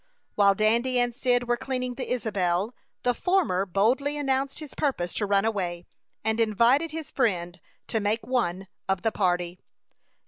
While Dandy and Cyd were cleaning the Isabel, the former boldly announced his purpose to run away, and invited his friend to make one of the party.